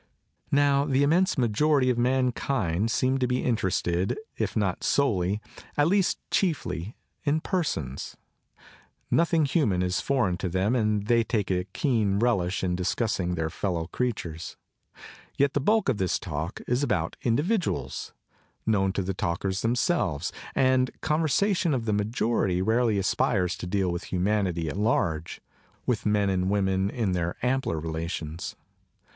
Now, the immense majority of mankind seem to be in terested if not solely, at least chiefly, in persons. Nothing human is foreign to them and they take a keen relish in discussing their fellow creatures. Yet the bulk of this talk is about individuals, known to the talkers themselves; and the con versation of the majority rarely aspires to deal with humanity at large, with men and women in their ampler relations.